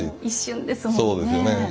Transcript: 一瞬ですものね。